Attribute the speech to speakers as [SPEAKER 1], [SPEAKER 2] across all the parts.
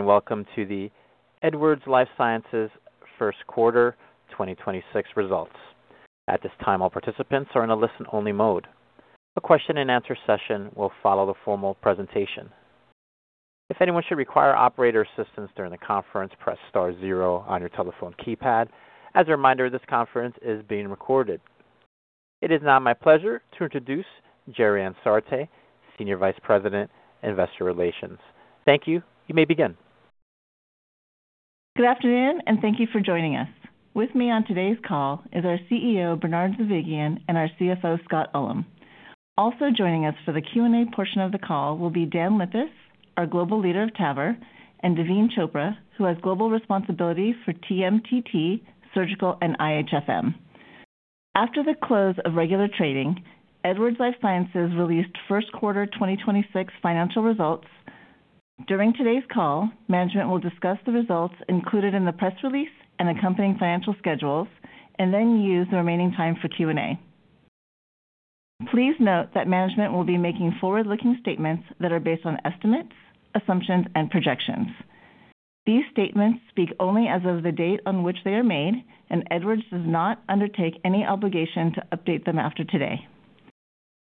[SPEAKER 1] Welcome to the Edwards Lifesciences first quarter 2026 results. At this time, all participants are in a listen-only mode. A question and answer session will follow the formal presentation. If anyone should require operator assistance during the conference, press star zero on your telephone keypad. As a reminder, this conference is being recorded. It is now my pleasure to introduce Gerianne Sarte, Senior Vice President, Investor Relations. Thank you. You may begin.
[SPEAKER 2] Good afternoon, and thank you for joining us. With me on today's call is our CEO, Bernard Zovighian, and our CFO, Scott Ullem. Also joining us for the Q&A portion of the call will be Dan Lippis, our Global Leader of TAVR, and Daveen Chopra, who has global responsibility for TMTT, surgical, and IHFM. After the close of regular trading, Edwards Lifesciences released first quarter 2026 financial results. During today's call, management will discuss the results included in the press release and accompanying financial schedules and then use the remaining time for Q&A. Please note that management will be making forward-looking statements that are based on estimates, assumptions, and projections. These statements speak only as of the date on which they are made, and Edwards does not undertake any obligation to update them after today.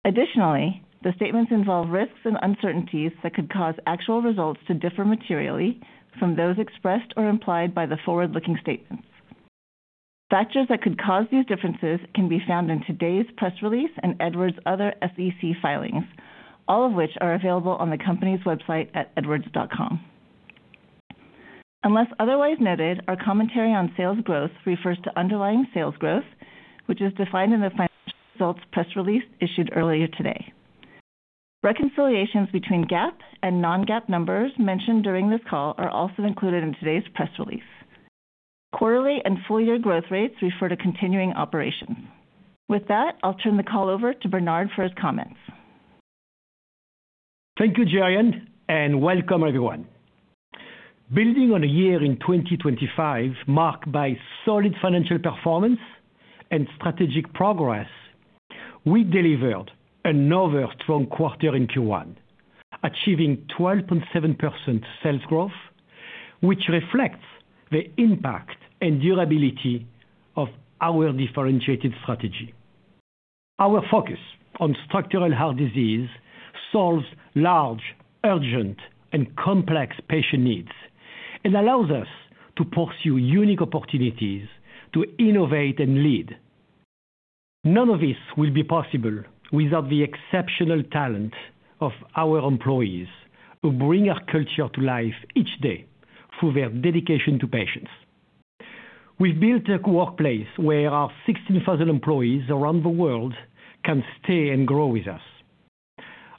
[SPEAKER 2] Additionally, the statements involve risks and uncertainties that could cause actual results to differ materially from those expressed or implied by the forward-looking statements. Factors that could cause these differences can be found in today's press release and Edwards' other SEC filings, all of which are available on the company's website at edwards.com. Unless otherwise noted, our commentary on sales growth refers to underlying sales growth, which is defined in the financial results press release issued earlier today. Reconciliations between GAAP and non-GAAP numbers mentioned during this call are also included in today's press release. Quarterly and full-year growth rates refer to continuing operations. With that, I'll turn the call over to Bernard for his comments.
[SPEAKER 3] Thank you, Gerianne, and welcome everyone. Building on a year in 2025 marked by solid financial performance and strategic progress, we delivered another strong quarter in Q1, achieving 12.7% sales growth, which reflects the impact and durability of our differentiated strategy. Our focus on structural heart disease solves large, urgent, and complex patient needs and allows us to pursue unique opportunities to innovate and lead. None of this would be possible without the exceptional talent of our employees, who bring our culture to life each day through their dedication to patients. We've built a workplace where our 16,000 employees around the world can stay and grow with us.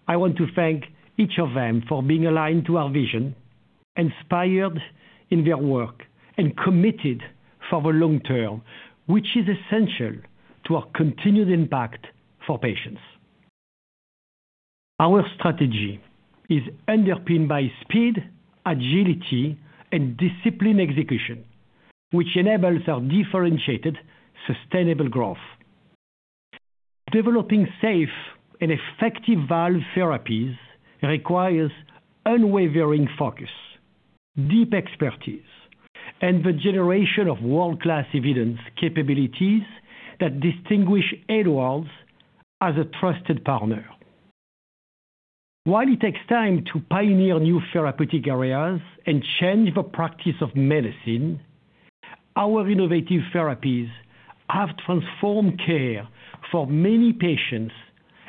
[SPEAKER 3] I want to thank each of them for being aligned to our vision, inspired in their work, and committed for the long term, which is essential to our continued impact for patients. Our strategy is underpinned by speed, agility, and discipline execution, which enables our differentiated, sustainable growth. Developing safe and effective valve therapies requires unwavering focus, deep expertise, and the generation of world-class evidence capabilities that distinguish Edwards as a trusted partner. While it takes time to pioneer new therapeutic areas and change the practice of medicine, our innovative therapies have transformed care for many patients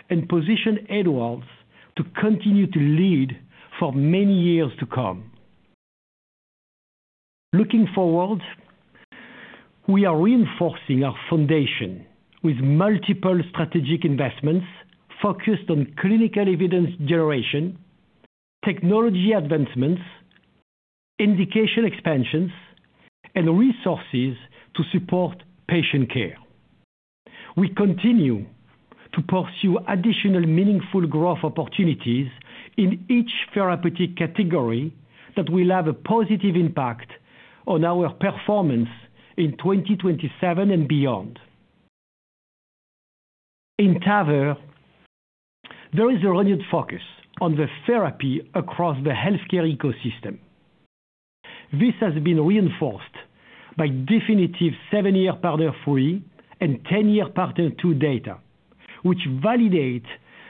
[SPEAKER 3] and positioned Edwards to continue to lead for many years to come. Looking forward, we are reinforcing our foundation with multiple strategic investments focused on clinical evidence generation, technology advancements, indication expansions, and resources to support patient care. We continue to pursue additional meaningful growth opportunities in each therapeutic category that will have a positive impact on our performance in 2027 and beyond. In TAVR, there is a renewed focus on the therapy across the healthcare ecosystem. This has been reinforced by definitive seven-year PARTNER 3 and 10-year PARTNER 2 data, which validate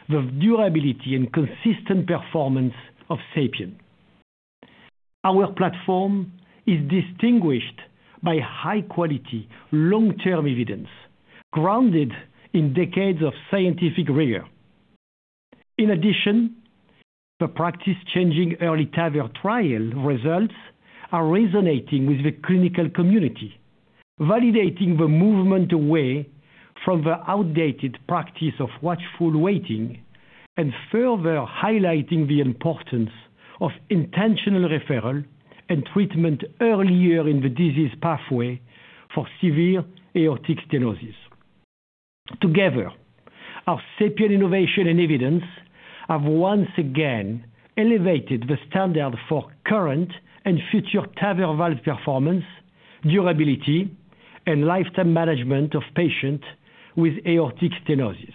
[SPEAKER 3] the durability and consistent performance of SAPIEN. Our platform is distinguished by high-quality, long-term evidence grounded in decades of scientific rigor. In addition, the practice-changing EARLY TAVR trial results are resonating with the clinical community, validating the movement away from the outdated practice of watchful waiting and further highlighting the importance of intentional referral and treatment earlier in the disease pathway for severe aortic stenosis. Together, our SAPIEN innovation and evidence have once again elevated the standard for current and future TAVR valve performance, durability, and lifetime management of patients with aortic stenosis.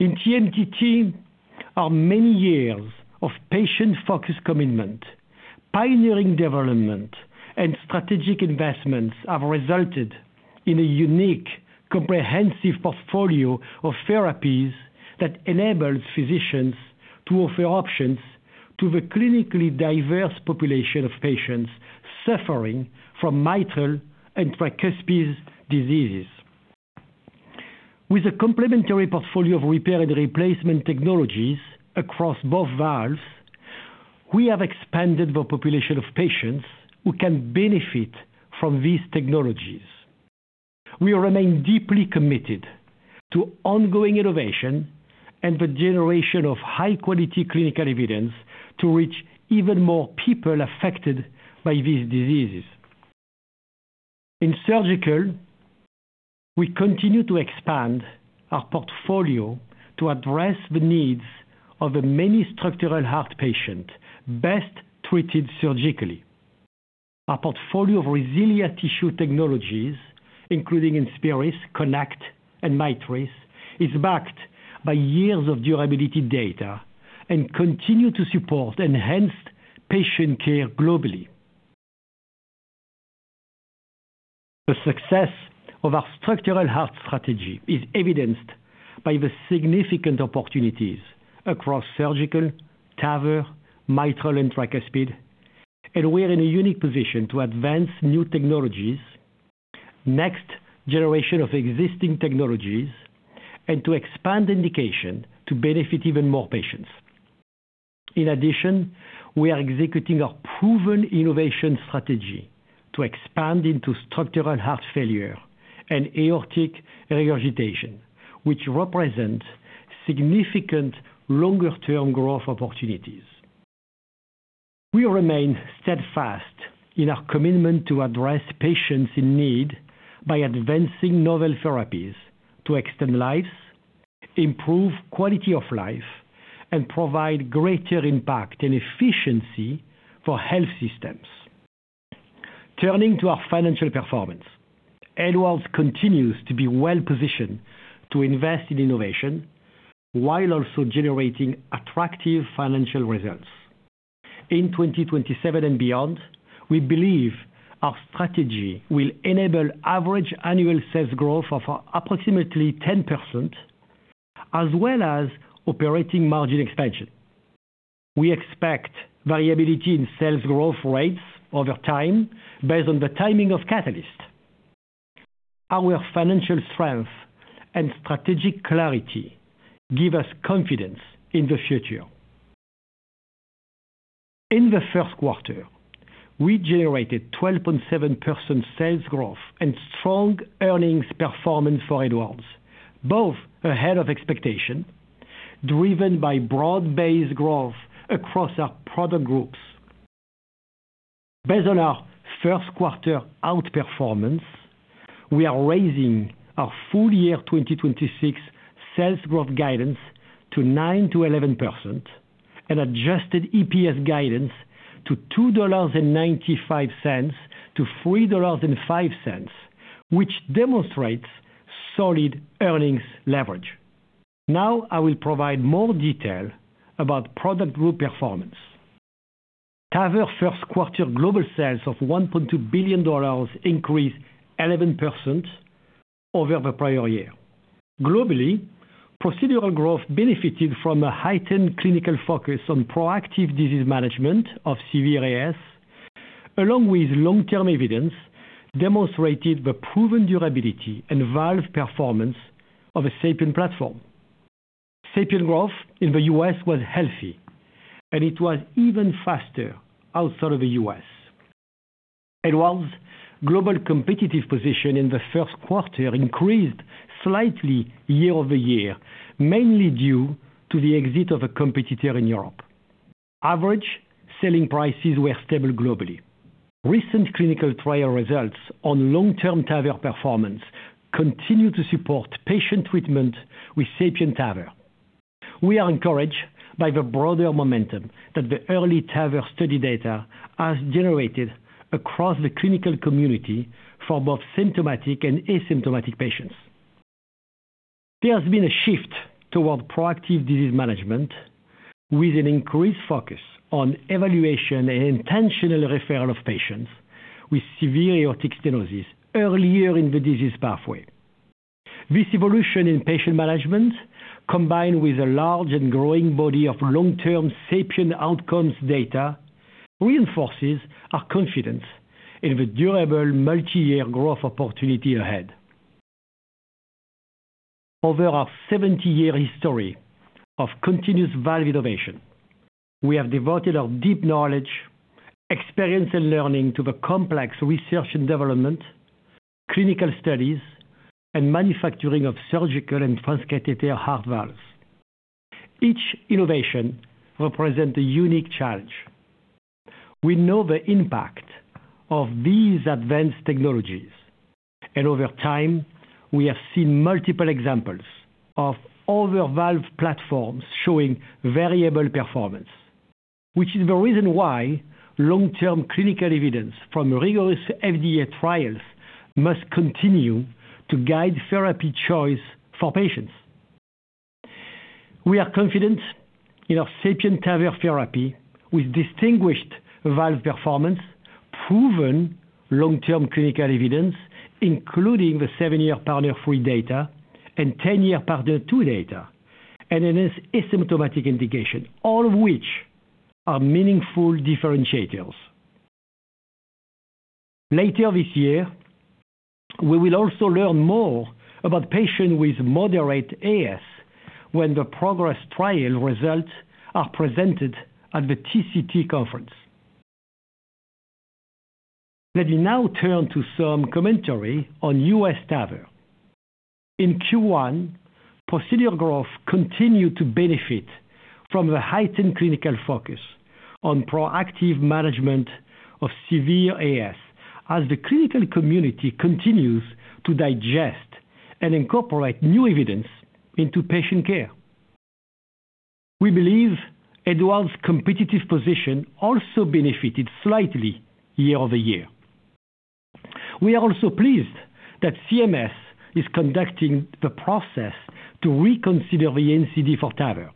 [SPEAKER 3] In TMTT, our many years of patient-focused commitment, pioneering development, and strategic investments have resulted in a unique, comprehensive portfolio of therapies that enables physicians to offer options to the clinically diverse population of patients suffering from mitral and tricuspid diseases. With a complementary portfolio of repair and replacement technologies across both valves, we have expanded the population of patients who can benefit from these technologies. We remain deeply committed to ongoing innovation and the generation of high-quality clinical evidence to reach even more people affected by these diseases. In Surgical, we continue to expand our portfolio to address the needs of the many structural heart patient best treated surgically. Our portfolio of resilient tissue technologies, including INSPIRIS, KONECT, and MITRIS, is backed by years of durability data and continue to support enhanced patient care globally. The success of our structural heart strategy is evidenced by the significant opportunities across Surgical, TAVR, mitral, and tricuspid. We are in a unique position to advance new technologies, next generation of existing technologies, and to expand indication to benefit even more patients. In addition, we are executing a proven innovation strategy to expand into structural heart failure and aortic regurgitation, which represent significant longer-term growth opportunities. We remain steadfast in our commitment to address patients in need by advancing novel therapies to extend lives, improve quality of life, and provide greater impact and efficiency for health systems. Turning to our financial performance. Edwards continues to be well-positioned to invest in innovation while also generating attractive financial results. In 2027 and beyond, we believe our strategy will enable average annual sales growth of approximately 10%, as well as operating margin expansion. We expect variability in sales growth rates over time based on the timing of catalysts. Our financial strength and strategic clarity give us confidence in the future. In the first quarter, we generated 12.7% sales growth and strong earnings performance for Edwards, both ahead of expectation, driven by broad-based growth across our product groups. Based on our first quarter outperformance, we are raising our full year 2026 sales growth guidance to 9%-11% and adjusted EPS guidance to $2.95-$3.05, which demonstrates solid earnings leverage. Now I will provide more detail about product group performance. TAVR first quarter global sales of $1.2 billion increased 11% over the prior year. Globally, procedural growth benefited from a heightened clinical focus on proactive disease management of severe AS, along with long-term evidence demonstrated the proven durability and valve performance of a SAPIEN platform. SAPIEN growth in the U.S. was healthy, and it was even faster outside of the U.S. Edwards' global competitive position in the first quarter increased slightly year-over-year, mainly due to the exit of a competitor in Europe. Average selling prices were stable globally. Recent clinical trial results on long-term TAVR performance continue to support patient treatment with SAPIEN TAVR. We are encouraged by the broader momentum that the Early TAVR study data has generated across the clinical community for both symptomatic and asymptomatic patients. There has been a shift toward proactive disease management with an increased focus on evaluation and intentional referral of patients with severe aortic stenosis earlier in the disease pathway. This evolution in patient management, combined with a large and growing body of long-term SAPIEN outcomes data, reinforces our confidence in the durable multi-year growth opportunity ahead. Over our 70-year history of continuous valve innovation, we have devoted our deep knowledge, experience, and learning to the complex research and development, clinical studies, and manufacturing of surgical and transcatheter heart valves. Each innovation represent a unique challenge. We know the impact of these advanced technologies, and over time, we have seen multiple examples of other valve platforms showing variable performance. Which is the reason why long-term clinical evidence from rigorous FDA trials must continue to guide therapy choice for patients. We are confident in our SAPIEN TAVR therapy with distinguished valve performance, proven long-term clinical evidence, including the seven-year PARTNER 3 data and 10-year PARTNER 2 data, and an asymptomatic indication, all of which are meaningful differentiators. Later this year, we will also learn more about patients with moderate AS when the PROGRESS trial results are presented at the TCT conference. Let me now turn to some commentary on U.S. TAVR. In Q1, procedure growth continued to benefit from the heightened clinical focus on proactive management of severe AS as the clinical community continues to digest and incorporate new evidence into patient care. We believe Edwards' competitive position also benefited slightly year-over-year. We are also pleased that CMS is conducting the process to reconsider the NCD for TAVR.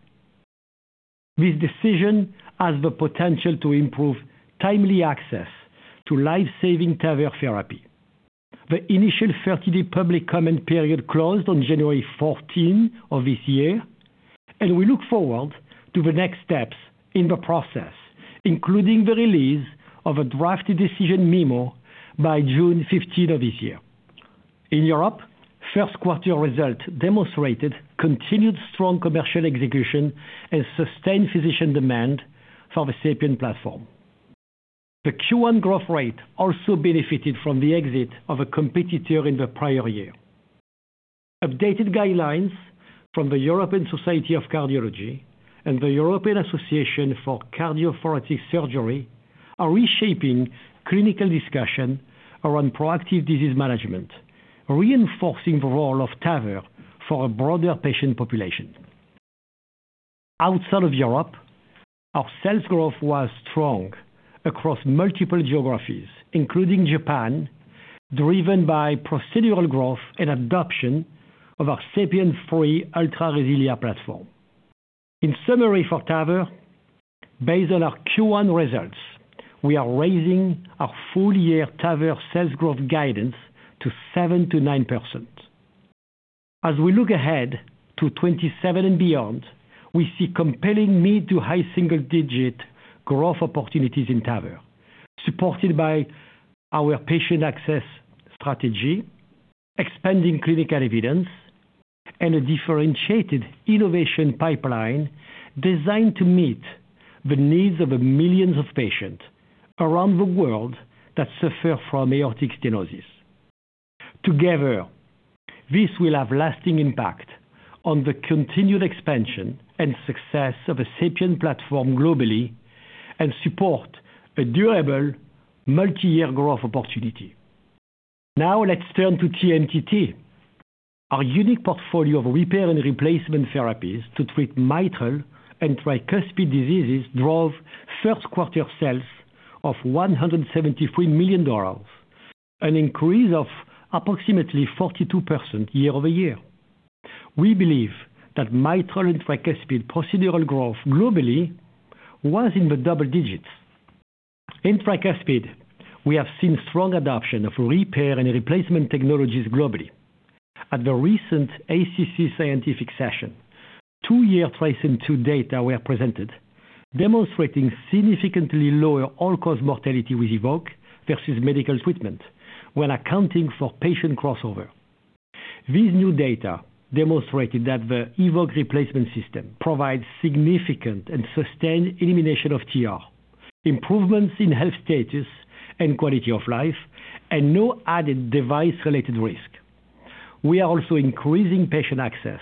[SPEAKER 3] This decision has the potential to improve timely access to life-saving TAVR therapy. The initial 30-day public comment period closed on January 14th of this year, and we look forward to the next steps in the process, including the release of a drafted decision memo by June 15th of this year. In Europe, first quarter results demonstrated continued strong commercial execution and sustained physician demand for the SAPIEN platform. The Q1 growth rate also benefited from the exit of a competitor in the prior year. Updated guidelines from the European Society of Cardiology and the European Association for Cardio-Thoracic Surgery are reshaping clinical discussion around proactive disease management, reinforcing the role of TAVR for a broader patient population. Outside of Europe, our sales growth was strong across multiple geographies, including Japan, driven by procedural growth and adoption of our SAPIEN 3 Ultra RESILIA platform. In summary for TAVR, based on our Q1 results, we are raising our full year TAVR sales growth guidance to 7%-9%. As we look ahead to 2027 and beyond, we see compelling mid to high single-digit growth opportunities in TAVR, supported by our patient access strategy, expanding clinical evidence, and a differentiated innovation pipeline designed to meet the needs of the millions of patients around the world that suffer from aortic stenosis. Together, this will have lasting impact on the continued expansion and success of the SAPIEN platform globally and support a durable multi-year growth opportunity. Now let's turn to TMTT. Our unique portfolio of repair and replacement therapies to treat mitral and tricuspid diseases drove first quarter sales of $173 million, an increase of approximately 42% year-over-year. We believe that mitral and tricuspid procedural growth globally was in the double digits. In tricuspid, we have seen strong adoption of repair and replacement technologies globally. At the recent ACC scientific session, two-year TRISCEND II data were presented demonstrating significantly lower all-cause mortality with EVOQUE versus medical treatment when accounting for patient crossover. These new data demonstrated that the EVOQUE replacement system provides significant and sustained elimination of TR, improvements in health status and quality of life, and no added device-related risk. We are also increasing patient access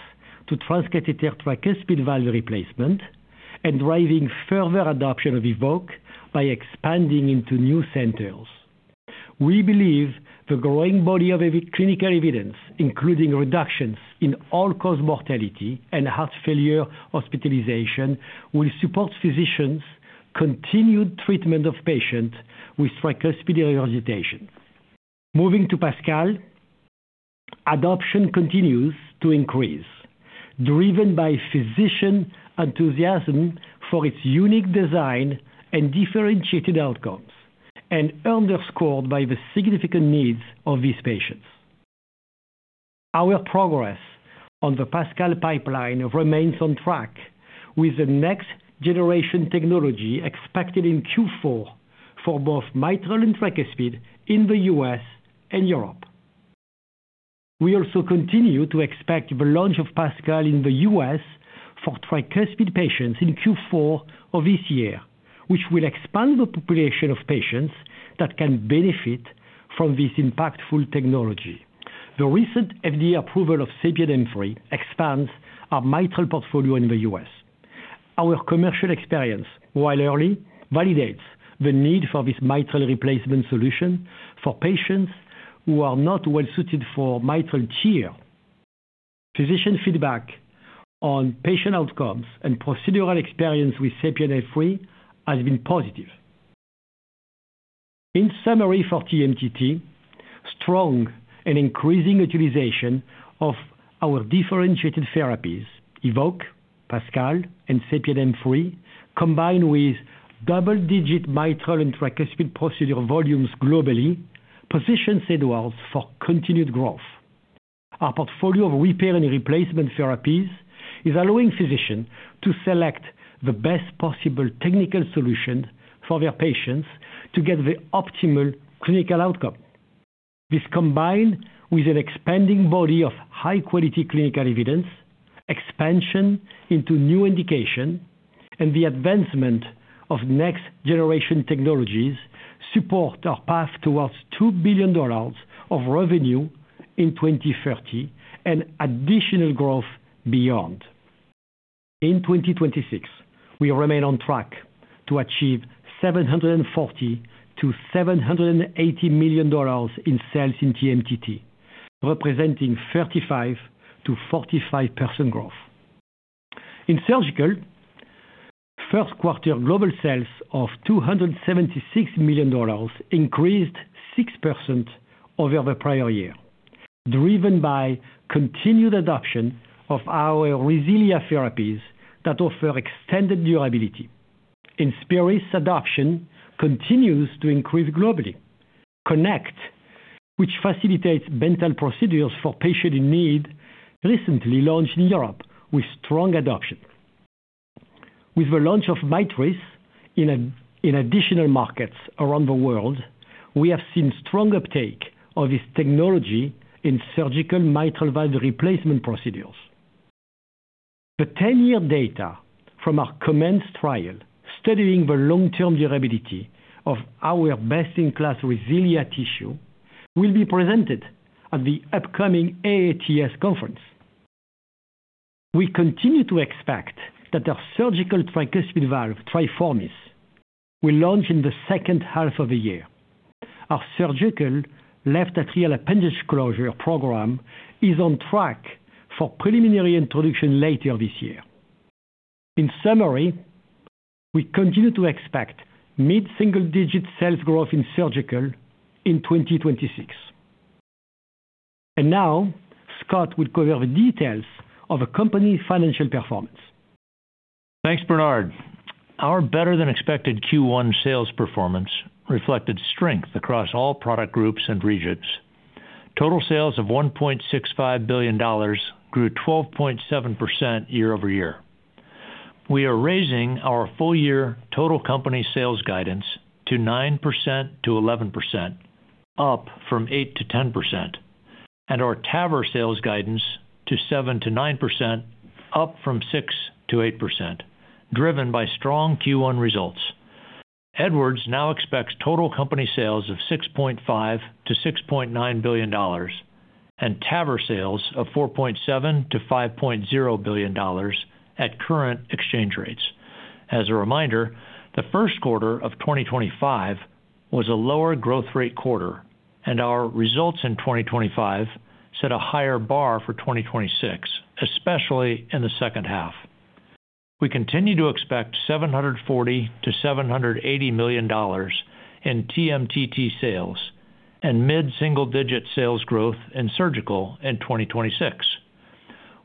[SPEAKER 3] to transcatheter tricuspid valve replacement and driving further adoption of EVOQUE by expanding into new centers. We believe the growing body of clinical evidence, including reductions in all-cause mortality and heart failure hospitalization, will support physicians' continued treatment of patients with tricuspid regurgitation. Moving to PASCAL. Adoption continues to increase, driven by physician enthusiasm for its unique design and differentiated outcomes, and underscored by the significant needs of these patients. Our progress on the PASCAL pipeline remains on track with the next generation technology expected in Q4 for both mitral and tricuspid in the U.S. and Europe. We also continue to expect the launch of PASCAL in the U.S. for tricuspid patients in Q4 of this year, which will expand the population of patients that can benefit from this impactful technology. The recent FDA approval of SAPIEN 3 expands our mitral portfolio in the U.S. Our commercial experience, while early, validates the need for this mitral replacement solution for patients who are not well suited for mitral TEER. Physician feedback on patient outcomes and procedural experience with SAPIEN 3 has been positive. In summary for TMTT, strong and increasing utilization of our differentiated therapies, EVOQUE, PASCAL, and SAPIEN 3, combined with double-digit mitral and tricuspid procedural volumes globally, positions Edwards for continued growth. Our portfolio of repair and replacement therapies is allowing physicians to select the best possible technical solution for their patients to get the optimal clinical outcome. This, combined with an expanding body of high-quality clinical evidence, expansion into new indication, and the advancement of next-generation technologies, support our path towards $2 billion of revenue in 2030, and additional growth beyond. In 2026, we remain on track to achieve $740-$780 million in sales in TMTT, representing 35%-45% growth. In Surgical, first quarter global sales of $276 million increased 6% over the prior year, driven by continued adoption of our RESILIA therapies that offer extended durability. INSPIRIS adoption continues to increase globally. KONECT, which facilitates Bentall procedures for patients in need, recently launched in Europe with strong adoption. With the launch of MITRIS in additional markets around the world, we have seen strong uptake of this technology in surgical mitral valve replacement procedures. The 10-year data from our COMMENCE trial, studying the long-term durability of our best-in-class RESILIA tissue, will be presented at the upcoming AATS conference. We continue to expect that our surgical tricuspid valve, TRIFORMIS, will launch in the second half of the year. Our surgical left atrial appendage closure program is on track for preliminary introduction later this year. In summary, we continue to expect mid-single-digit sales growth in surgical in 2026. Now Scott will go over the details of the company's financial performance.
[SPEAKER 4] Thanks, Bernard. Our better-than-expected Q1 sales performance reflected strength across all product groups and regions. Total sales of $1.65 billion grew 12.7% year-over-year. We are raising our full year total company sales guidance to 9%-11%, up from 8%-10%, and our TAVR sales guidance to 7%-9%, up from 6%-8%, driven by strong Q1 results. Edwards now expects total company sales of $6.5-$6.9 billion and TAVR sales of $4.7-$5.0 billion at current exchange rates. As a reminder, the first quarter of 2025 was a lower growth rate quarter, and our results in 2025 set a higher bar for 2026, especially in the second half. We continue to expect $740-$780 million in TMTT sales and mid-single-digit sales growth in surgical in 2026.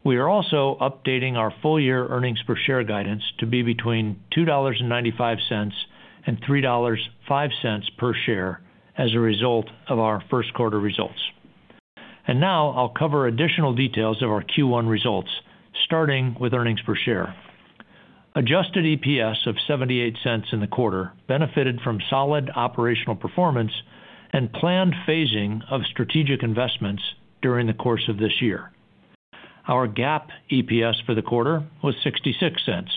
[SPEAKER 4] We are also updating our full-year earnings per share guidance to be between $2.95 and $3.5 per share as a result of our first quarter results. Now I'll cover additional details of our Q1 results, starting with earnings per share. Adjusted EPS of $0.78 in the quarter benefited from solid operational performance and planned phasing of strategic investments during the course of this year. Our GAAP EPS for the quarter was $0.66.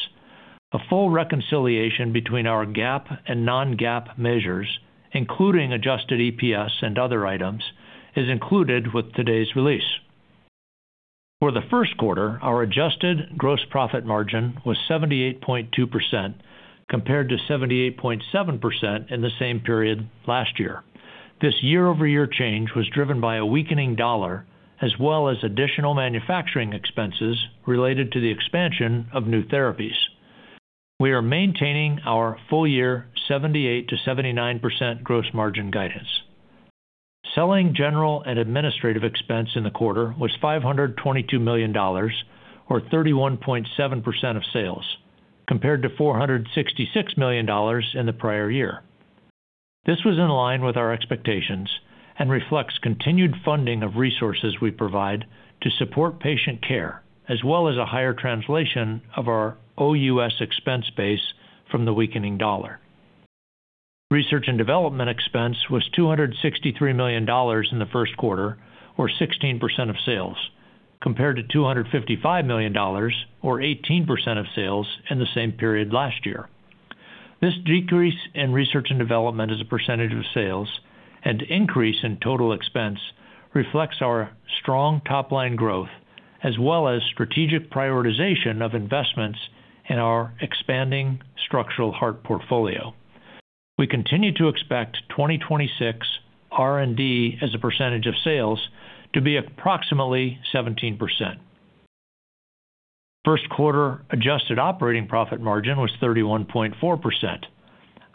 [SPEAKER 4] A full reconciliation between our GAAP and non-GAAP measures, including adjusted EPS and other items, is included with today's release. For the first quarter, our adjusted gross profit margin was 78.2%, compared to 78.7% in the same period last year. This year-over-year change was driven by a weakening dollar, as well as additional manufacturing expenses related to the expansion of new therapies. We are maintaining our full-year 78%-79% gross margin guidance. Selling, general and administrative expense in the quarter was $522 million, or 31.7% of sales, compared to $466 million in the prior year. This was in line with our expectations and reflects continued funding of resources we provide to support patient care, as well as a higher translation of our OUS expense base from the weakening dollar. Research and development expense was $263 million in the first quarter, or 16% of sales, compared to $255 million, or 18% of sales in the same period last year. This decrease in research and development as a percentage of sales and increase in total expense reflects our strong top-line growth, as well as strategic prioritization of investments in our expanding structural heart portfolio. We continue to expect 2026 R&D as a percentage of sales to be approximately 17%. First quarter adjusted operating profit margin was 31.4%.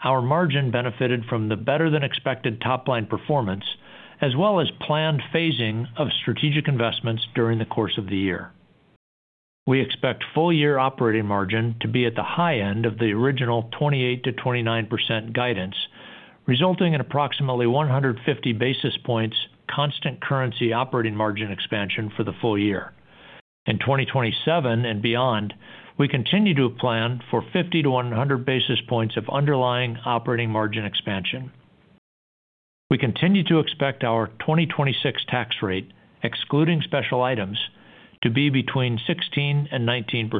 [SPEAKER 4] Our margin benefited from the better-than-expected top-line performance, as well as planned phasing of strategic investments during the course of the year. We expect full-year operating margin to be at the high end of the original 28%-29% guidance, resulting in approximately 150 basis points constant currency operating margin expansion for the full year. In 2027 and beyond, we continue to plan for 50 to 100 basis points of underlying operating margin expansion. We continue to expect our 2026 tax rate, excluding special items, to be between 16% and 19%.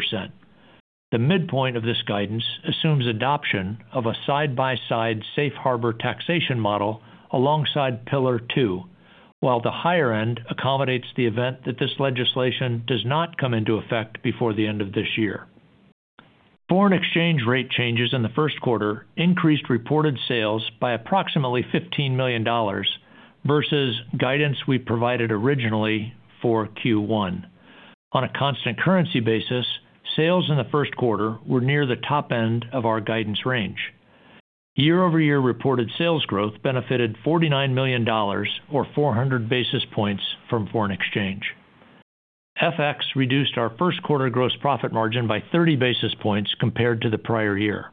[SPEAKER 4] The midpoint of this guidance assumes adoption of a side-by-side safe harbor taxation model alongside Pillar Two, while the higher end accommodates the event that this legislation does not come into effect before the end of this year. Foreign exchange rate changes in the first quarter increased reported sales by approximately $15 million versus guidance we provided originally for Q1. On a constant currency basis, sales in the first quarter were near the top end of our guidance range. Year-over-year reported sales growth benefited $49 million, or 400 basis points from foreign exchange. FX reduced our first quarter gross profit margin by 30 basis points compared to the prior year.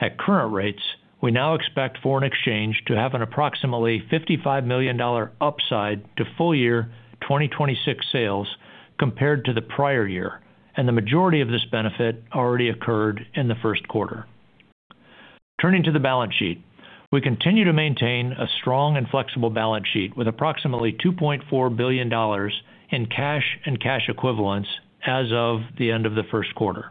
[SPEAKER 4] At current rates, we now expect foreign exchange to have an approximately $55 million upside to full-year 2026 sales compared to the prior year, and the majority of this benefit already occurred in the first quarter. Turning to the balance sheet. We continue to maintain a strong and flexible balance sheet with approximately $2.4 billion in cash and cash equivalents as of the end of the first quarter.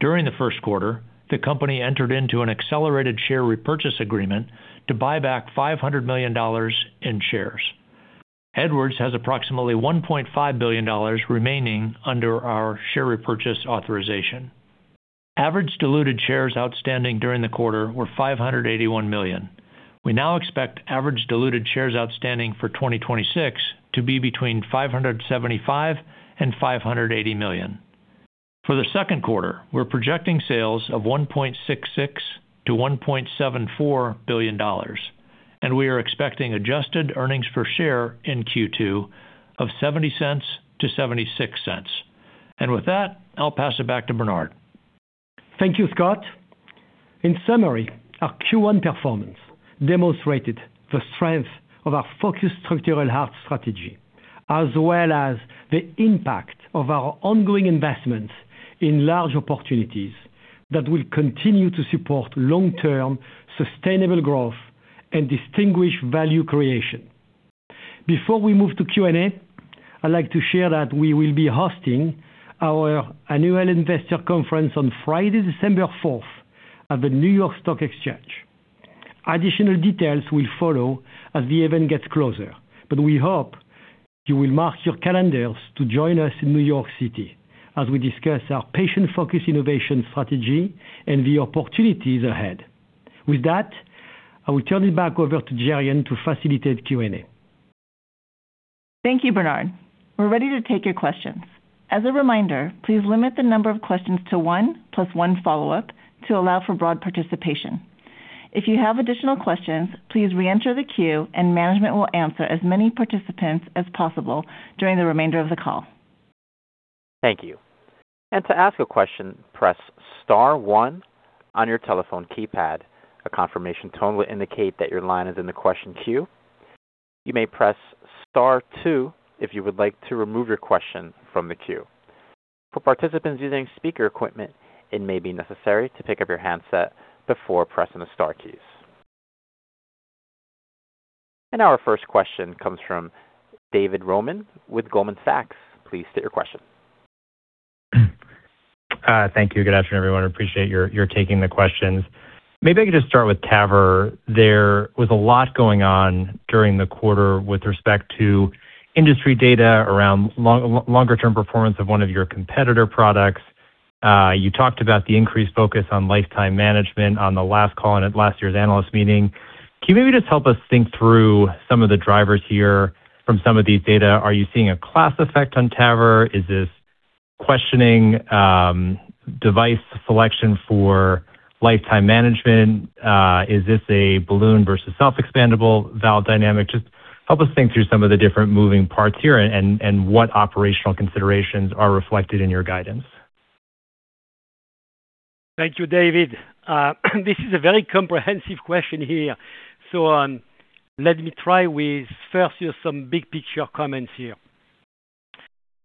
[SPEAKER 4] During the first quarter, the company entered into an accelerated share repurchase agreement to buy back $500 million in shares. Edwards has approximately $1.5 billion remaining under our share repurchase authorization. Average diluted shares outstanding during the quarter were $581 million. We now expect average diluted shares outstanding for 2026 to be between $575 and $580 million. For the second quarter, we're projecting sales of $1.66-$1.74 billion, and we are expecting adjusted earnings per share in Q2 of $0.70-$0.76. With that, I'll pass it back to Bernard.
[SPEAKER 3] Thank you, Scott. In summary, our Q1 performance demonstrated the strength of our focused structural heart strategy as well as the impact of our ongoing investment in large opportunities that will continue to support long-term sustainable growth and distinguish value creation. Before we move to Q&A, I'd like to share that we will be hosting our annual investor conference on Friday, December 4th at the New York Stock Exchange. Additional details will follow as the event gets closer, but we hope you will mark your calendars to join us in New York City as we discuss our patient-focused innovation strategy and the opportunities ahead. With that, I will turn it back over to Gerianne to facilitate Q&A.
[SPEAKER 2] Thank you, Bernard. We're ready to take your questions. As a reminder, please limit the number of questions to one plus one follow-up to allow for broad participation. If you have additional questions, please re-enter the queue and management will answer as many participants as possible during the remainder of the call.
[SPEAKER 1] Thank you. If you have a question, press star one on your telephone keypad. A confirmation tone will indicate that your line is in the question queue. You may press star two if you would like to remove your question from the queue. For participants using speaker equipment, it may be necessary to pick up your handset before pressing the star key. Our first question comes from David Roman with Goldman Sachs. Please state your question.
[SPEAKER 5] Thank you. Good afternoon, everyone. I appreciate your taking the questions. Maybe I could just start with TAVR. There was a lot going on during the quarter with respect to industry data around longer term performance of one of your competitor products. You talked about the increased focus on lifetime management on the last call and at last year's analyst meeting. Can you maybe just help us think through some of the drivers here from some of these data? Are you seeing a class effect on TAVR? Is this questioning device selection for lifetime management? Is this a balloon versus self-expandable valve dynamic? Just help us think through some of the different moving parts here and what operational considerations are reflected in your guidance.
[SPEAKER 3] Thank you, David. This is a very comprehensive question here, so let me try with first just some big-picture comments here.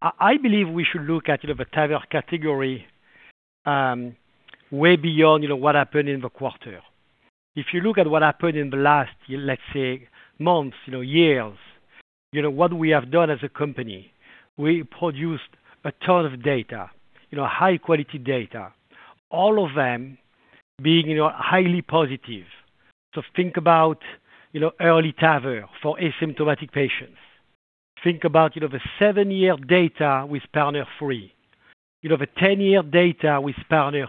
[SPEAKER 3] I believe we should look at the TAVR category way beyond what happened in the quarter. If you look at what happened in the last, let's say, months, years, what we have done as a company, we produced a ton of data, high-quality data, all of them being highly positive. Think about early TAVR for asymptomatic patients. Think about the seven-year data with PARTNER 3. The 10-year data with PARTNER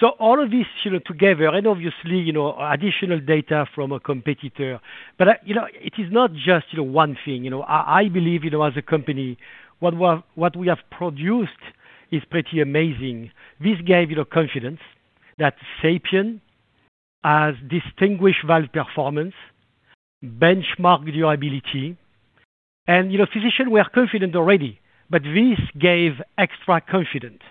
[SPEAKER 3] 2. All of this together and obviously, additional data from a competitor. It is not just one thing. I believe, as a company, what we have produced is pretty amazing. This gave confidence that SAPIEN has distinguished valve performance, benchmarked reliability, and physicians were confident already, but this gave extra confidence.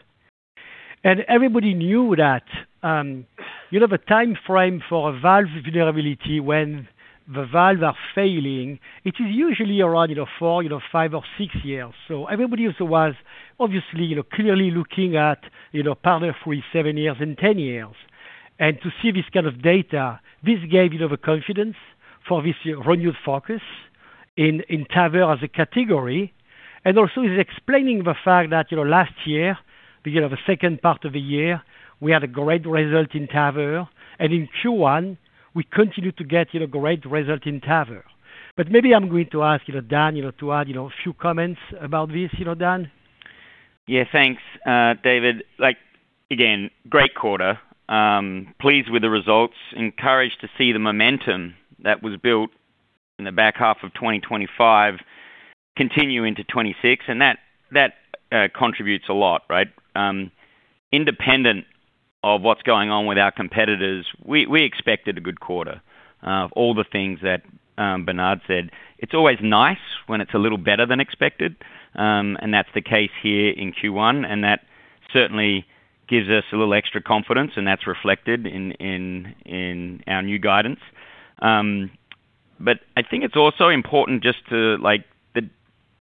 [SPEAKER 3] Everybody knew that the timeframe for a valve vulnerability, when the valves are failing, it is usually around four, five, or six years. Everybody also was obviously, clearly looking at PARTNER 3, seven years and 10 years. To see this kind of data, this gave the confidence for this renewed focus in TAVR as a category, and also is explaining the fact that last year, the second part of the year, we had a great result in TAVR. In Q1, we continued to get a great result in TAVR. Maybe I'm going to ask Dan to add a few comments about this. Dan?
[SPEAKER 6] Yeah, thanks, David. Again, great quarter. Pleased with the results. Encouraged to see the momentum that was built in the back half of 2025 continue into 2026, and that contributes a lot, right? Independent of what's going on with our competitors, we expected a good quarter. All the things that Bernard said. It's always nice when it's a little better than expected, and that's the case here in Q1, and that certainly gives us a little extra confidence, and that's reflected in our new guidance. I think it's also important just to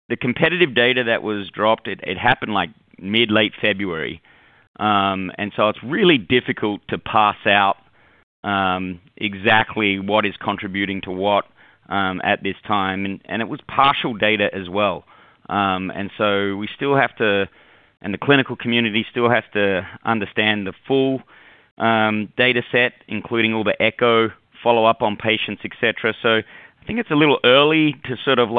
[SPEAKER 6] the competitive data that was dropped, it happened mid- to late February. It's really difficult to parse out exactly what is contributing to what at this time, and it was partial data as well. The clinical community still have to understand the full dataset, including all the echo follow-up on patients, et cetera. I think it's a little early to sort of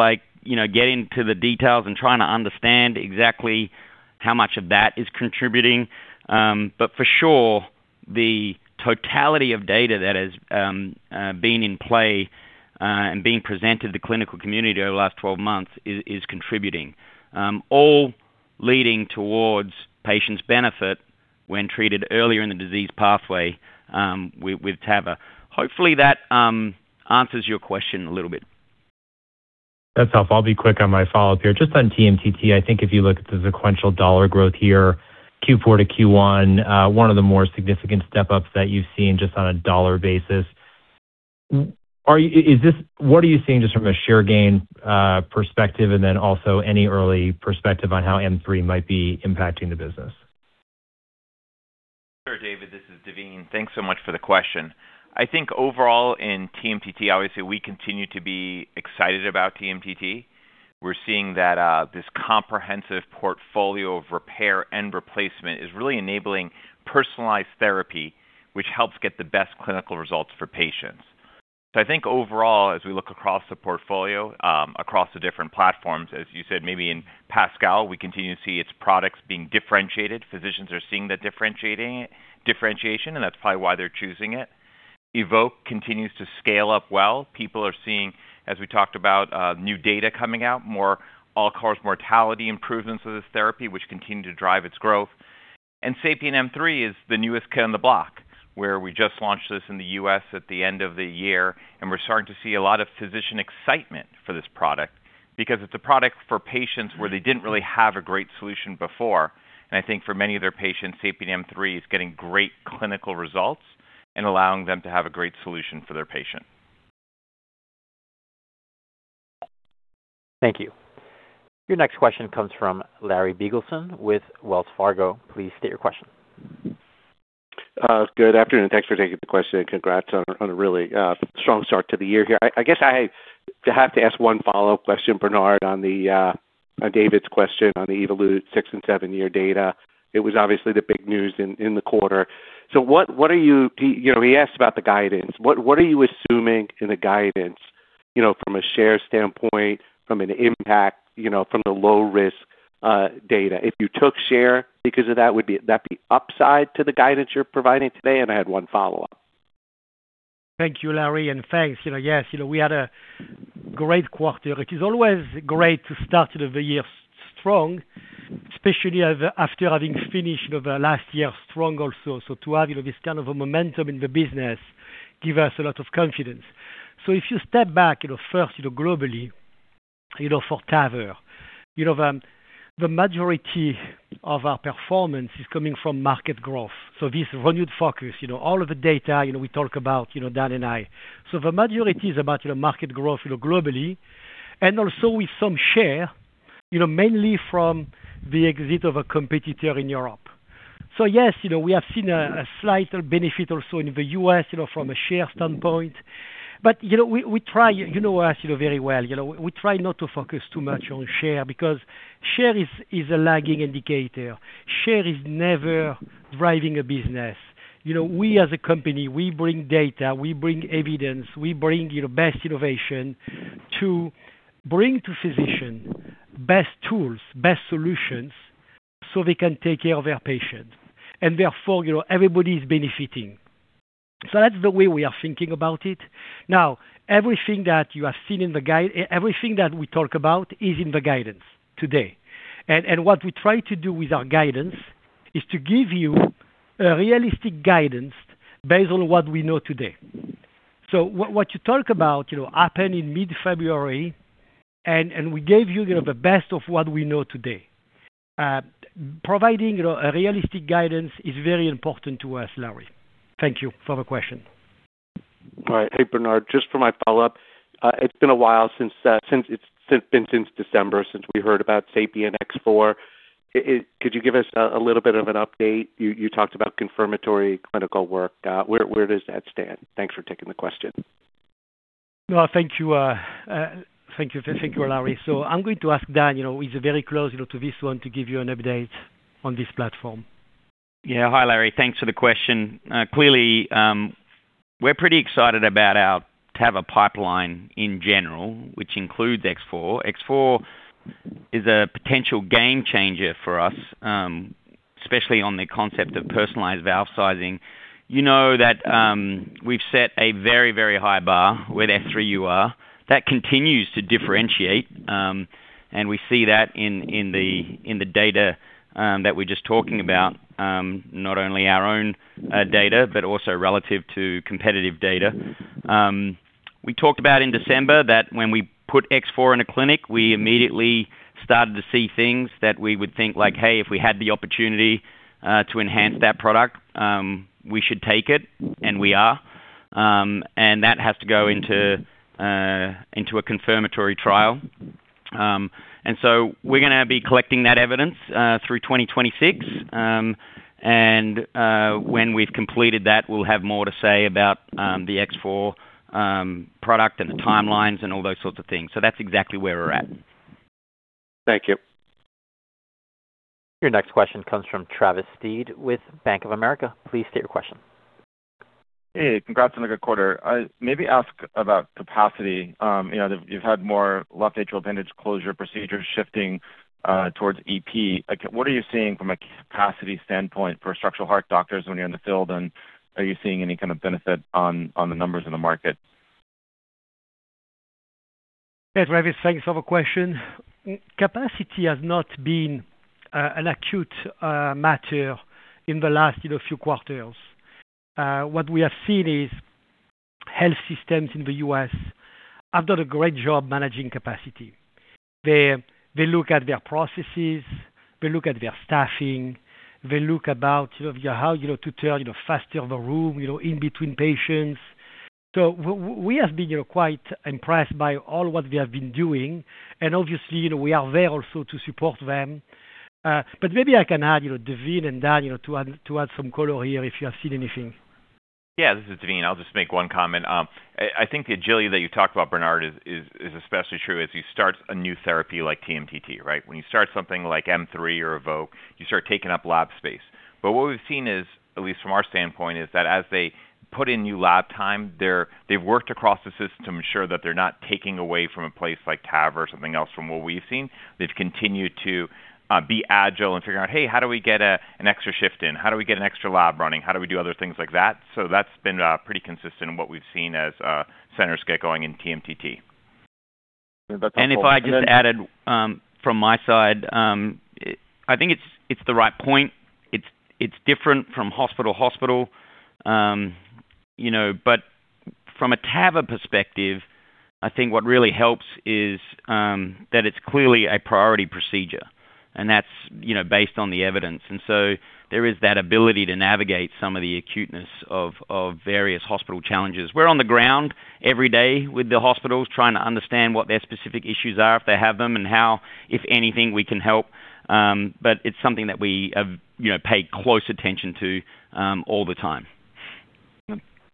[SPEAKER 6] get into the details and trying to understand exactly how much of that is contributing. For sure, the totality of data that has been in play, and being presented to the clinical community over the last 12 months is contributing. All leading towards patients' benefit when treated earlier in the disease pathway with TAVR. Hopefully, that answers your question a little bit.
[SPEAKER 5] That's helpful. I'll be quick on my follow-up here. Just on TMTT, I think if you look at the sequential dollar growth here, Q4 to Q1, one of the more significant step-ups that you've seen just on a dollar basis. What are you seeing just from a share gain perspective? Also any early perspective on how M3 might be impacting the business?
[SPEAKER 7] Sure, David, this is Daveen. Thanks so much for the question. I think overall in TMTT, obviously, we continue to be excited about TMTT. We're seeing that this comprehensive portfolio of repair and replacement is really enabling personalized therapy, which helps get the best clinical results for patients. I think overall, as we look across the portfolio, across the different platforms, as you said, maybe in PASCAL, we continue to see its products being differentiated. Physicians are seeing the differentiation, and that's probably why they're choosing it. EVOQUE continues to scale up well. People are seeing, as we talked about, new data coming out, more all-cause mortality improvements of this therapy, which continue to drive its growth. SAPIEN M3 is the newest kid on the block, where we just launched this in the U.S. at the end of the year, and we're starting to see a lot of physician excitement for this product, because it's a product for patients where they didn't really have a great solution before. I think for many of their patients, SAPIEN M3 is getting great clinical results and allowing them to have a great solution for their patient.
[SPEAKER 1] Thank you. Your next question comes from Larry Biegelsen with Wells Fargo. Please state your question.
[SPEAKER 8] Good afternoon. Thanks for taking the question, and congrats on a really strong start to the year here. I guess I have to ask one follow-up question, Bernard, on David's question on the Evolut 6- and seven-year data. It was obviously the big news in the quarter. He asked about the guidance. What are you assuming in the guidance from a share standpoint, from an impact, from the low-risk data? If you took share because of that, would that be upside to the guidance you're providing today? I had one follow-up.
[SPEAKER 3] Thank you, Larry, and thanks. Yes. We had a great quarter. It is always great to start the year strong, especially after having finished the last year strong also. To have this kind of a momentum in the business give us a lot of confidence. If you step back first globally for TAVR, the majority of our performance is coming from market growth. This renewed focus, all of the data we talk about, Dan and I. The majority is about market growth globally, and also with some share, mainly from the exit of a competitor in Europe. Yes, we have seen a slight benefit also in the U.S. from a share standpoint. You know us very well. We try not to focus too much on share because share is a lagging indicator. share is never driving a business. We as a company, we bring data, we bring evidence, we bring best innovation to bring to physician best tools, best solutions, so they can take care of their patient. Therefore, everybody is benefiting. That's the way we are thinking about it. Now, everything that we talk about is in the guidance today. What we try to do with our guidance is to give you a realistic guidance based on what we know today. What you talk about happened in mid-February, and we gave you the best of what we know today. Providing a realistic guidance is very important to us, Larry. Thank you for the question.
[SPEAKER 8] All right. Hey, Bernard, just for my follow-up. It's been a while, since December, since we heard about SAPIEN X4. Could you give us a little bit of an update? You talked about confirmatory clinical work. Where does that stand? Thanks for taking the question.
[SPEAKER 3] No, thank you, Larry. I'm going to ask Dan, he's very close to this one, to give you an update on this platform.
[SPEAKER 6] Yeah. Hi, Larry. Thanks for the question. Clearly, we're pretty excited about our TAVR pipeline in general, which includes X4. X4 is a potential game changer for us, especially on the concept of personalized valve sizing. You know that we've set a very, very high bar with S3 UR. That continues to differentiate, and we see that in the data that we're just talking about, not only our own data, but also relative to competitive data. We talked about in December that when we put X4 in a clinic, we immediately started to see things that we would think like, "Hey, if we had the opportunity to enhance that product, we should take it," and we are. That has to go into a confirmatory trial. We're going to be collecting that evidence through 2026. When we've completed that, we'll have more to say about the X4 product and the timelines, and all those sorts of things. That's exactly where we're at.
[SPEAKER 8] Thank you.
[SPEAKER 1] Your next question comes from Travis Steed with Bank of America. Please state your question.
[SPEAKER 9] Hey, congrats on a good quarter. Maybe ask about capacity. You've had more left atrial appendage closure procedures shifting towards EP. What are you seeing from a capacity standpoint for structural heart doctors when you're in the field, and are you seeing any kind of benefit on the numbers in the market?
[SPEAKER 3] Hey, Travis. Thanks for the question. Capacity has not been an acute matter in the last few quarters. What we have seen is health systems in the U.S. have done a great job managing capacity. They look at their processes, they look at their staffing, they look at how to turn faster the room in between patients. We have been quite impressed by all what they have been doing. Obviously, we are there also to support them. Maybe I can add, Daveen and Dan, to add some color here, if you have seen anything.
[SPEAKER 7] Yeah, this is Daveen. I'll just make one comment. I think the agility that you talked about, Bernard, is especially true as you start a new therapy like TMTT, right? When you start something like SAPIEN M3 or EVOQUE, you start taking up lab space. But what we've seen is, at least from our standpoint, that as they put in new lab time, they've worked across the system to ensure that they're not taking away from a place like TAVR or something else from what we've seen. They've continued to be agile in figuring out, "Hey, how do we get an extra shift in? How do we get an extra lab running? How do we do other things like that?" So that's been pretty consistent in what we've seen as centers get going in TMTT.
[SPEAKER 9] That's helpful.
[SPEAKER 6] If I just added from my side, I think it's the right point. It's different from hospital. From a TAVR perspective, I think what really helps is that it's clearly a priority procedure, and that's based on the evidence. There is that ability to navigate some of the acuteness of various hospital challenges. We're on the ground every day with the hospitals trying to understand what their specific issues are, if they have them, and how, if anything, we can help. It's something that we pay close attention to all the time.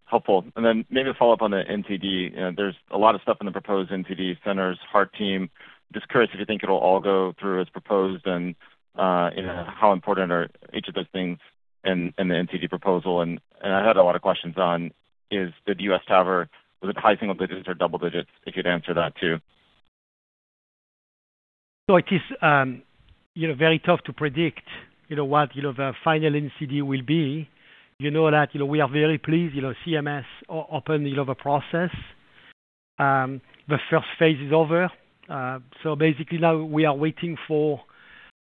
[SPEAKER 9] Helpful. Maybe a follow-up on the NCD. There's a lot of stuff in the proposed NCD centers, heart team. Just curious if you think it'll all go through as proposed and how important are each of those things in the NCD proposal. I had a lot of questions on the U.S. TAVR, was it high single digits or double digits? If you'd answer that too.
[SPEAKER 3] It is very tough to predict what the final NCD will be. You know that we are very pleased CMS opened the process. The first phase is over. Basically now we are waiting for,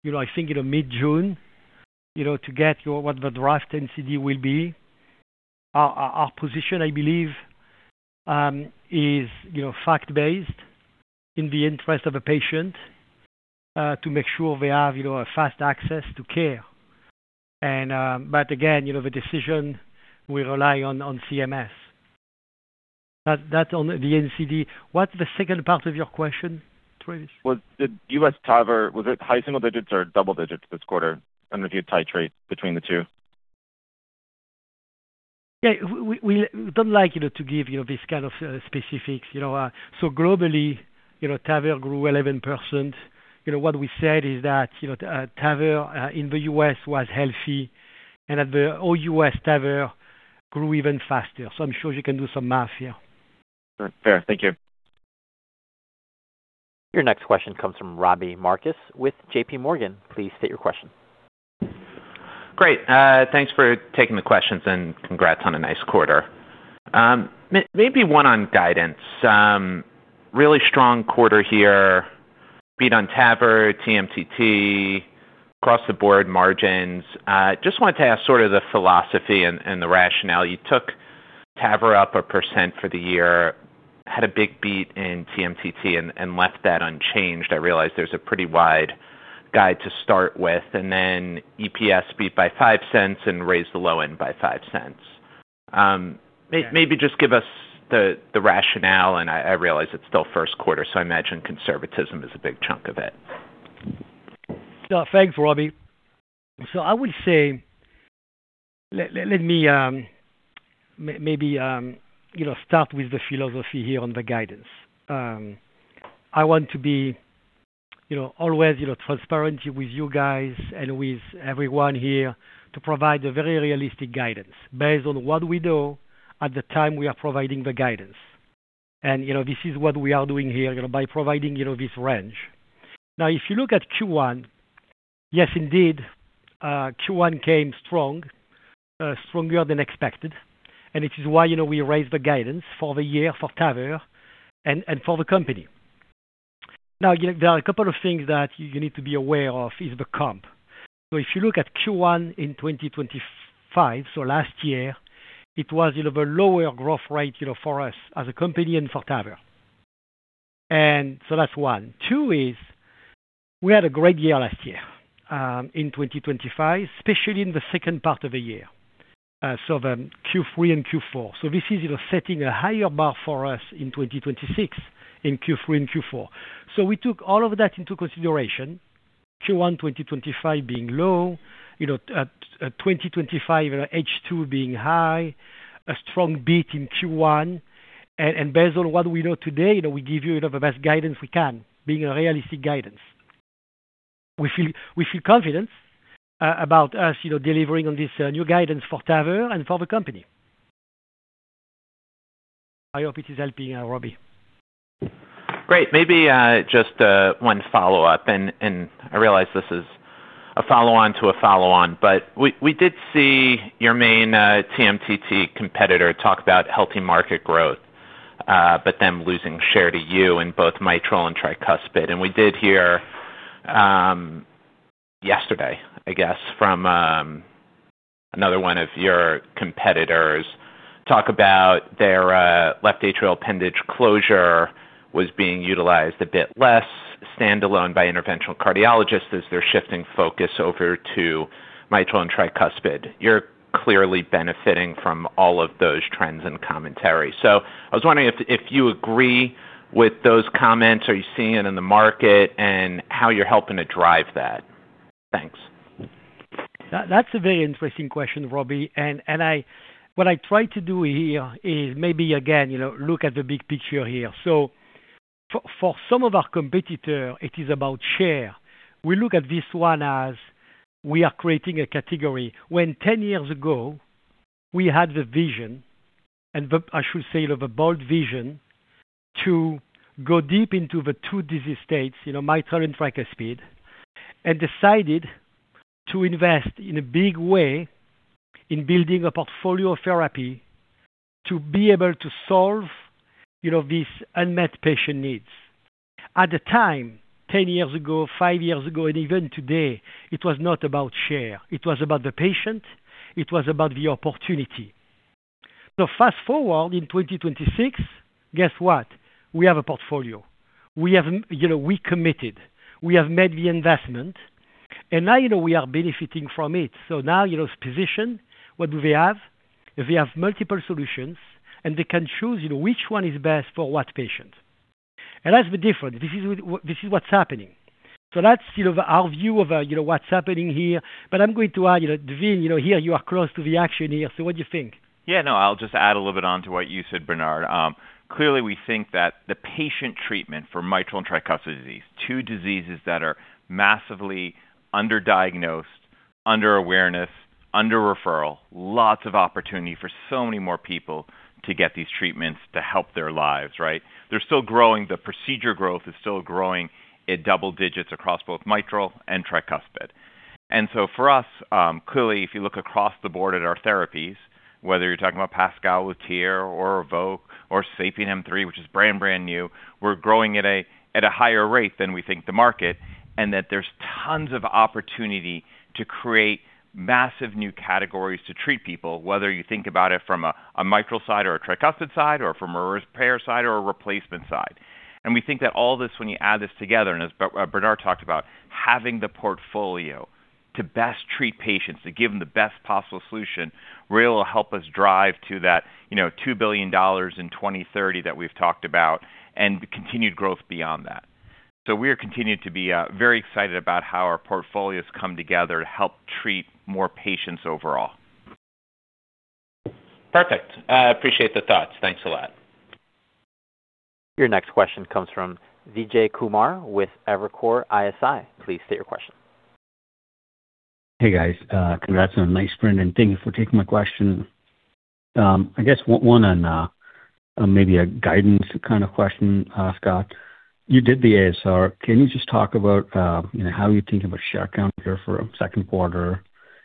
[SPEAKER 3] I think, mid-June, to get what the draft NCD will be. Our position, I believe, is fact-based in the interest of the patient, to make sure they have a fast access to care. Again, the decision will rely on CMS. That on the NCD. What's the second part of your question, Travis?
[SPEAKER 9] Was the U.S. TAVR high single digits or double digits this quarter? I don't know if you had to differentiate between the two.
[SPEAKER 3] Yeah. We don't like to give this kind of specifics. Globally, TAVR grew 11%. What we said is that TAVR in the U.S. was healthy, and that the all-U.S. TAVR grew even faster. I'm sure you can do some math here.
[SPEAKER 9] Fair. Thank you.
[SPEAKER 1] Your next question comes from Robbie Marcus with JPMorgan. Please state your question.
[SPEAKER 10] Great. Thanks for taking the questions, and congrats on a nice quarter. Maybe one on guidance. Really strong quarter here. Beat on TAVR, TMTT, across the board margins. Just wanted to ask sort of the philosophy and the rationale. You took TAVR up 1% for the year, had a big beat in TMTT and left that unchanged. I realize there's a pretty wide guide to start with. EPS beat by $0.05 and raised the low end by $0.05. Maybe just give us the rationale, and I realize it's still first quarter, so I imagine conservatism is a big chunk of it.
[SPEAKER 3] Thanks, Robbie. I would say, let me maybe start with the philosophy here on the guidance. I want to be always transparent with you guys and with everyone here to provide a very realistic guidance based on what we know at the time we are providing the guidance. This is what we are doing here by providing this range. Now, if you look at Q1, yes, indeed, Q1 came strong, stronger than expected, and it is why we raised the guidance for the year for TAVR and for the company. Now, there are a couple of things that you need to be aware of, is the comp. If you look at Q1 in 2025, so last year, it was of a lower growth rate for us as a company and for TAVR. That's one. Two is we had a great year last year, in 2025, especially in the second part of the year, so the Q3 and Q4. This is setting a higher bar for us in 2026 in Q3 and Q4. We took all of that into consideration. Q1 2025 being low, and 2025 H2 being high, a strong beat in Q1. Based on what we know today, we give you the best guidance we can, being a realistic guidance. We feel confident about us delivering on this new guidance for TAVR and for the company. I hope it is helping, Robbie.
[SPEAKER 10] Great. Maybe just one follow-up, and I realize this is a follow-on to a follow-on, but we did see your main TMTT competitor talk about healthy market growth, but them losing share to you in both mitral and tricuspid. We did hear, yesterday, I guess, from another one of your competitors talk about their left atrial appendage closure was being utilized a bit less standalone by interventional cardiologists as they're shifting focus over to mitral and tricuspid. You're clearly benefiting from all of those trends and commentary. I was wondering if you agree with those comments, are you seeing it in the market, and how you're helping to drive that. Thanks.
[SPEAKER 3] That's a very interesting question, Robbie. What I try to do here is maybe again, look at the big picture here. For some of our competitors, it is about share. We look at this one as we are creating a category. When 10 years ago we had the vision, and I should say, the bold vision, to go deep into the two disease states, mitral and tricuspid, and decided to invest in a big way in building a portfolio therapy to be able to solve these unmet patient needs. At the time, 10 years ago, five years ago, and even today, it was not about share. It was about the patient. It was about the opportunity. Fast-forward in 2026, guess what? We have a portfolio. We committed. We have made the investment, and now we are benefiting from it. Now, physicians, what do they have? They have multiple solutions, and they can choose which one is best for what patient. That's the difference. This is what's happening. That's our view of what's happening here. I'm going to add, Daveen, here you are close to the action here. What do you think?
[SPEAKER 7] Yeah, no, I'll just add a little bit onto what you said, Bernard. Clearly, we think that the patient treatment for mitral and tricuspid disease, two diseases that are massively underdiagnosed, under awareness, under referral, lots of opportunity for so many more people to get these treatments to help their lives, right? They're still growing. The procedure growth is still growing at double digits across both mitral and tricuspid. For us, clearly, if you look across the board at our therapies, whether you're talking about PASCAL with TEER or EVO or SAPIEN M3, which is brand new, we're growing at a higher rate than we think the market, and that there's tons of opportunity to create massive new categories to treat people, whether you think about it from a mitral side or a tricuspid side, or from a repair side or a replacement side. We think that all this, when you add this together, and as Bernard talked about, having the portfolio to best treat patients, to give them the best possible solution, really will help us drive to that $2 billion in 2030 that we've talked about and continued growth beyond that. We are continuing to be very excited about how our portfolios come together to help treat more patients overall.
[SPEAKER 10] Perfect. I appreciate the thoughts. Thanks a lot.
[SPEAKER 1] Your next question comes from Vijay Kumar with Evercore ISI. Please state your question.
[SPEAKER 11] Hey, guys. Congrats on a nice print and thank you for taking my question. I guess one on maybe a guidance kind of question, Scott. You did the ASR. Can you just talk about how you're thinking about share count here for second quarter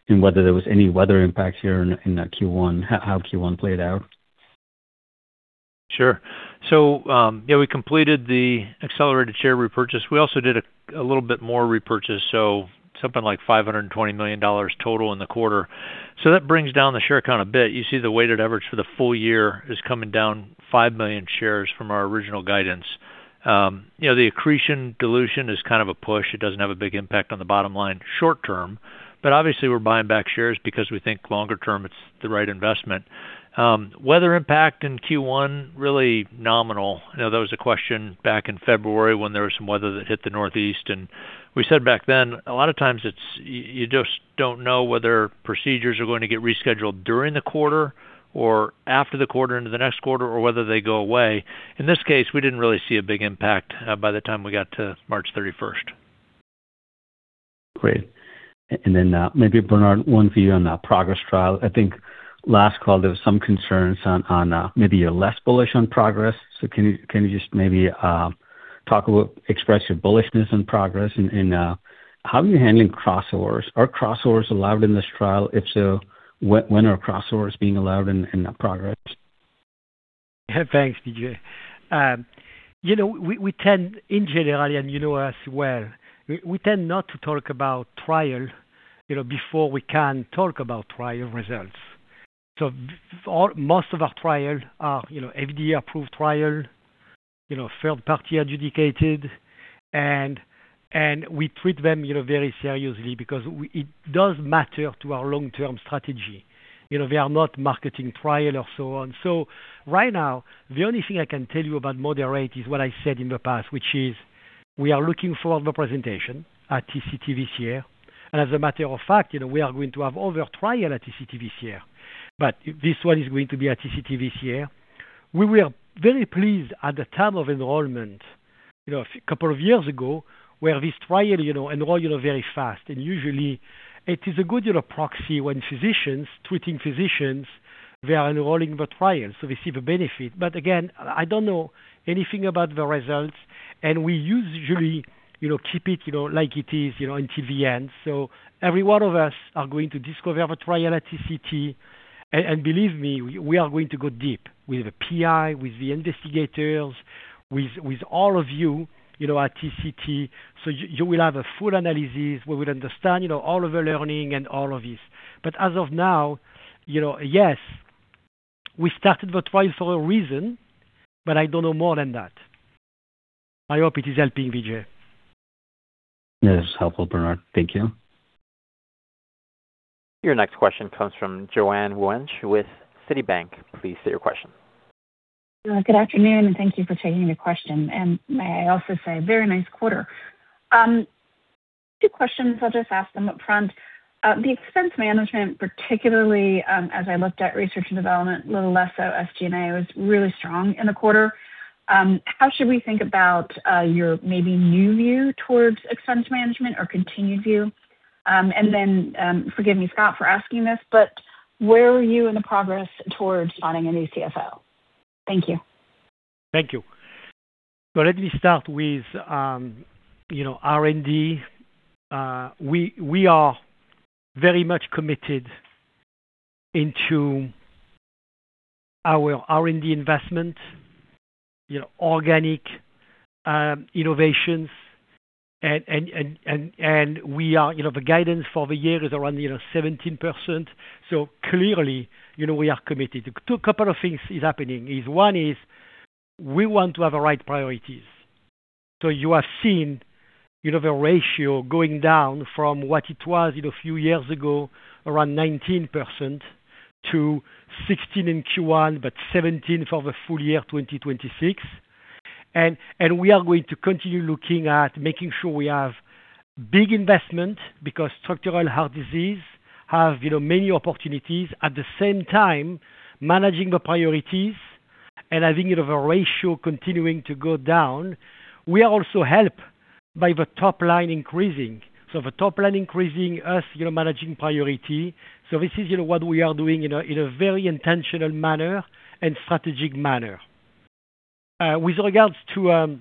[SPEAKER 11] and whether there was any weather impact here in the Q1, how Q1 played out?
[SPEAKER 4] Sure. Yeah, we completed the accelerated share repurchase. We also did a little bit more repurchase, so something like $520 million total in the quarter. That brings down the share count a bit. You see the weighted average for the full year is coming down five million shares from our original guidance. The accretion/dilution is kind of a push. It doesn't have a big impact on the bottom line short-term, but obviously we're buying back shares because we think longer-term it's the right investment. Weather impact in Q1 was really nominal. I know that was a question back in February when there was some weather that hit the Northeast, and we said back then, a lot of times you just don't know whether procedures are going to get rescheduled during the quarter or after the quarter into the next quarter, or whether they go away. In this case, we didn't really see a big impact by the time we got to March 31st.
[SPEAKER 11] Great. Maybe, Bernard, one for you on that PROGRESS trial. I think last call, there was some concerns on maybe you're less bullish on PROGRESS. Can you just maybe express your bullishness on PROGRESS and how are you handling crossovers? Are crossovers allowed in this trial? If so, when are crossovers being allowed in the PROGRESS?
[SPEAKER 3] Thanks, Vijay. We tend in general, and you know us well, we tend not to talk about trials before we can talk about trial results. Most of our trials are FDA-approved trials, third-party adjudicated, and we treat them very seriously because it does matter to our long-term strategy. They are not marketing trials or so on. Right now, the only thing I can tell you about PROGRESS is what I said in the past, which is we are looking forward to the presentation at TCT this year. As a matter of fact, we are going to have all the trials at TCT this year. This one is going to be at TCT this year. We were very pleased at the time of enrollment a couple of years ago, when this trial enrolled very fast. Usually it is a good proxy when physicians, treating physicians, they are enrolling the trial, so they see the benefit. Again, I don't know anything about the results, and we usually keep it like it is until the end. Every one of us are going to discover the trial at TCT. Believe me, we are going to go deep with the PI, with the investigators, with all of you at TCT. You will have a full analysis. We will understand all of the learning and all of this. As of now, yes, we started the trial for a reason, but I don't know more than that. I hope it is helping, Vijay.
[SPEAKER 11] Yes, helpful, Bernard. Thank you.
[SPEAKER 1] Your next question comes from Joanne Wuensch with Citibank. Please state your question.
[SPEAKER 12] Good afternoon, and thank you for taking the question. May I also say very nice quarter. Two questions, I'll just ask them upfront. The expense management, particularly as I looked at research and development, a little less so SG&A, was really strong in the quarter. How should we think about your maybe new view towards expense management or continued view? Forgive me, Scott, for asking this, but where are you in the progress towards finding a new CFO? Thank you.
[SPEAKER 3] Thank you. Let me start with R&D. We are very much committed to our R&D investment, organic innovations. The guidance for the year is around 17%. Clearly, we are committed. A couple of things is happening. One is we want to have the right priorities. You have seen the ratio going down from what it was a few years ago, around 19% to 16% in Q1, but 17% for the full year 2026. We are going to continue looking at making sure we have big investment because structural heart disease have many opportunities. At the same time, managing the priorities and having the ratio continuing to go down. We are also helped by the top line increasing. The top line increasing helps us managing priorities. This is what we are doing in a very intentional manner and strategic manner. With regards to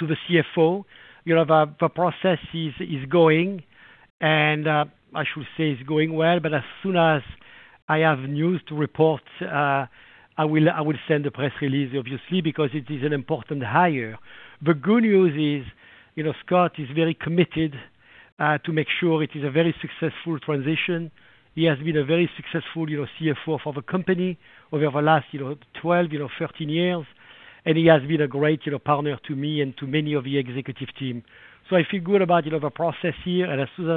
[SPEAKER 3] the CFO, the process is going, and I should say it's going well, but as soon as I have news to report, I will send a press release, obviously, because it is an important hire. The good news is, Scott is very committed to make sure it is a very successful transition. He has been a very successful CFO for the company over the last 12, 13 years, and he has been a great partner to me and to many of the executive team. I feel good about the process here, and as soon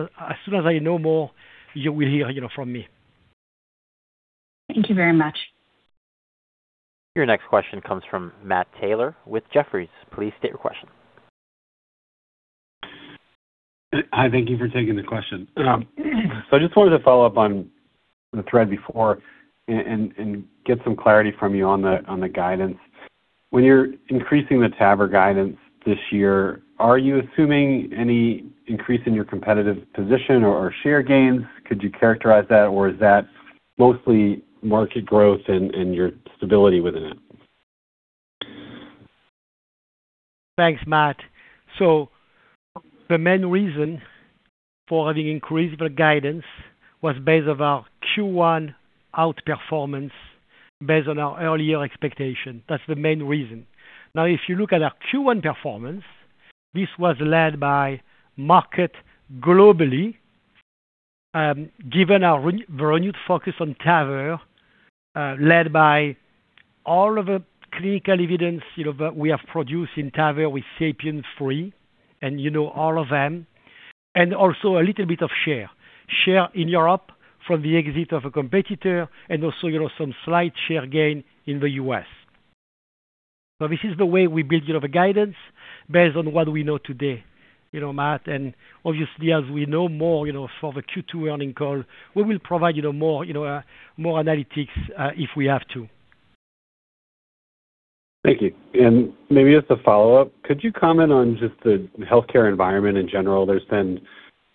[SPEAKER 3] as I know more, you will hear from me.
[SPEAKER 12] Thank you very much.
[SPEAKER 1] Your next question comes from Matthew Taylor with Jefferies. Please state your question.
[SPEAKER 13] Hi, thank you for taking the question. I just wanted to follow up on the thread before and get some clarity from you on the guidance. When you're increasing the TAVR guidance this year, are you assuming any increase in your competitive position or share gains? Could you characterize that or is that mostly market growth and your stability within it?
[SPEAKER 3] Thanks, Matt. The main reason for having increased the guidance was based on our Q1 outperformance based on our earlier expectation. That's the main reason. Now, if you look at our Q1 performance, this was led by market globally, given the renewed focus on TAVR, led by all of the clinical evidence that we have produced in TAVR with SAPIEN M3, and you know all of them. Also a little bit of share. Share in Europe from the exit of a competitor and also some slight share gain in the U.S. This is the way we build the guidance based on what we know today, Matt, and obviously as we know more for the Q2 earnings call, we will provide more analytics, if we have to.
[SPEAKER 13] Thank you. Maybe just a follow-up. Could you comment on just the healthcare environment in general? There's been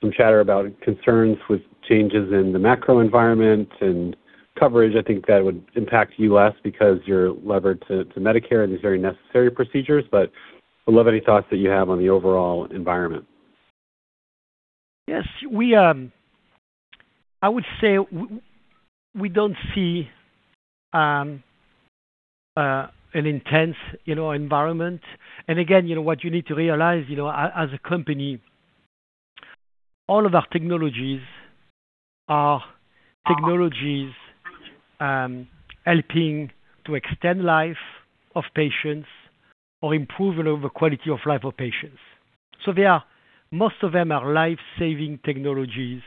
[SPEAKER 13] some chatter about concerns with changes in the macro environment and coverage. I think that would impact you less because you're levered to Medicare and these very necessary procedures. Would love any thoughts that you have on the overall environment.
[SPEAKER 3] Yes. I would say we don't see an intense environment. Again, what you need to realize, as a company, all of our technologies are technologies helping to extend life of patients or improving the quality of life of patients. Most of them are life-saving technologies,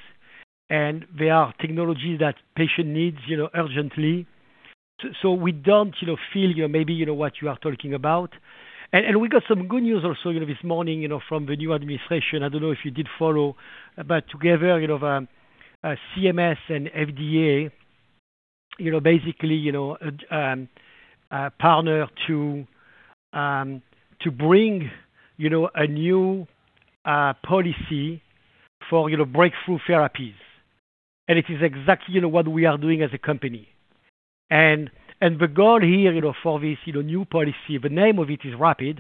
[SPEAKER 3] and they are technologies that patient needs urgently. We don't feel maybe what you are talking about. We got some good news also this morning from the new administration. I don't know if you did follow, but together, CMS and FDA basically partner to bring a new policy for breakthrough therapies. It is exactly what we are doing as a company. The goal here for this new policy, the name of it is RAPID,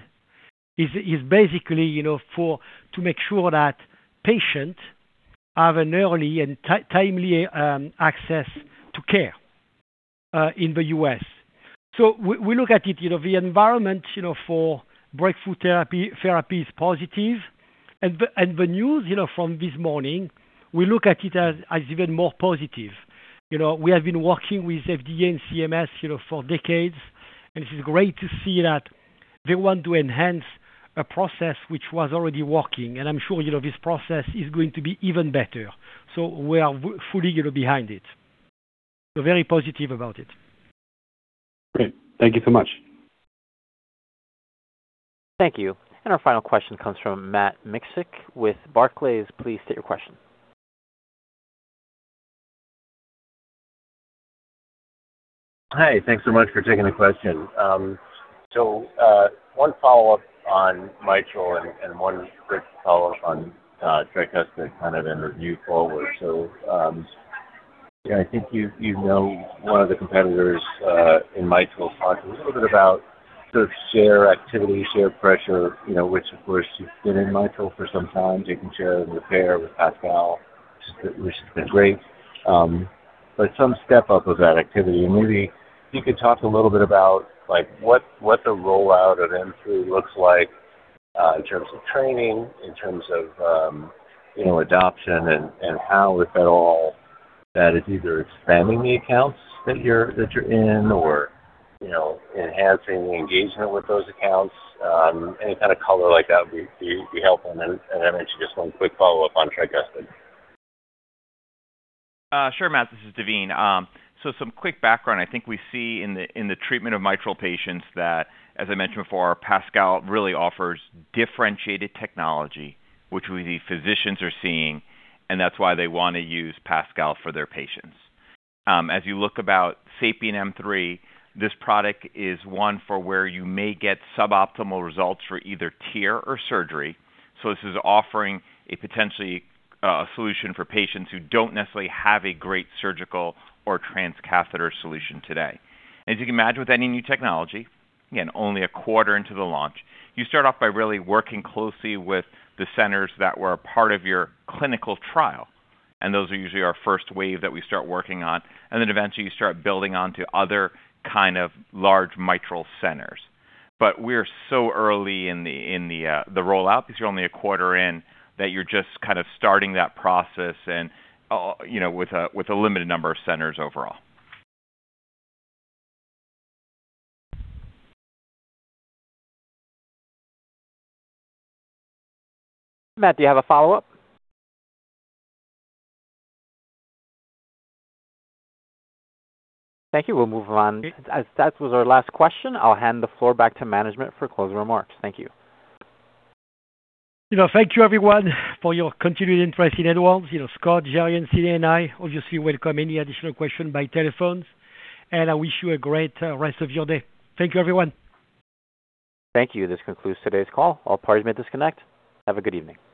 [SPEAKER 3] is basically to make sure that patients have an early and timely access to care, in the U.S. We look at it, the environment for breakthrough therapy is positive, and the news from this morning, we look at it as even more positive. We have been working with FDA and CMS for decades, and this is great to see that they want to enhance a process which was already working. I'm sure this process is going to be even better. We are fully behind it. We're very positive about it.
[SPEAKER 13] Great. Thank you so much.
[SPEAKER 1] Thank you. Our final question comes from Matt Miksic with Barclays. Please state your question.
[SPEAKER 14] Hi. Thanks so much for taking the question. One follow-up on mitral and one quick follow-up on tricuspid, kind of in review forward. I think you know one of the competitors in mitral talked a little bit about sort of share activity, share pressure, which of course you've been in mitral for some time, taking share and repair with PASCAL, which has been great. Some step-up of that activity. Maybe if you could talk a little bit about what the rollout of M3 looks like, in terms of training, in terms of adoption, and how, if at all, that is either expanding the accounts that you're in or enhancing the engagement with those accounts. Any kind of color like that would be helpful. Then maybe just one quick follow-up on tricuspid.
[SPEAKER 7] Sure, Matt, this is Daveen. Some quick background. I think we see in the treatment of mitral patients that, as I mentioned before, PASCAL really offers differentiated technology, which the physicians are seeing, and that's why they want to use PASCAL for their patients. As you look about SAPIEN M3, this product is one for where you may get suboptimal results for either TEER or surgery. This is offering a potential solution for patients who don't necessarily have a great surgical or transcatheter solution today. As you can imagine with any new technology, again, only a quarter into the launch, you start off by really working closely with the centers that were a part of your clinical trial, and those are usually our first wave that we start working on. Then eventually you start building onto other kind of large mitral centers. We're so early in the rollout, because you're only a quarter in, that you're just kind of starting that process and with a limited number of centers overall.
[SPEAKER 1] Matt, do you have a follow-up? Thank you. We'll move on. As that was our last question, I'll hand the floor back to management for closing remarks. Thank you.
[SPEAKER 3] Thank you everyone for your continued interest in Edwards. Scott, Gerry, and Sydney and I obviously welcome any additional questions by telephone, and I wish you a great rest of your day. Thank you, everyone.
[SPEAKER 1] Thank you. This concludes today's call. All parties may disconnect. Have a good evening.